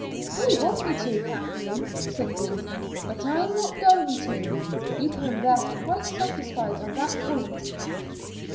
"They want me to, Kathleen," said Ruth; "but I am not going to. You can rest quite satisfied on that point."